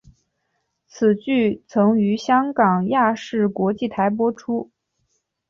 此剧曾于香港亚视国际台播出。